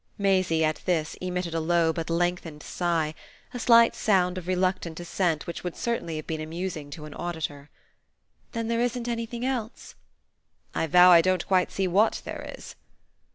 Maisie, at this, emitted a low but lengthened sigh, a slight sound of reluctant assent which would certainly have been amusing to an auditor. "Then there isn't anything else?" "I vow I don't quite see what there is."